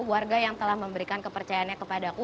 warga yang telah memberikan kepercayaannya kepada aku